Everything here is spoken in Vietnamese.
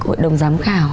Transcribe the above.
hội đồng giám khảo